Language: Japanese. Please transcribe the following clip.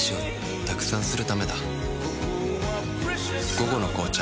「午後の紅茶」